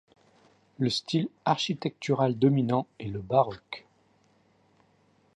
Le style architectural dominant est le baroque.